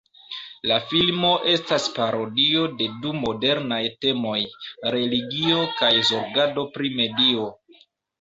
La filmo estas parodio de du modernaj temoj: religio kaj zorgado pri medio.